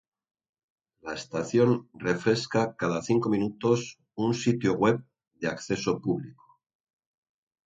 La estación refresca cada cinco minutos un sitio web de acceso público.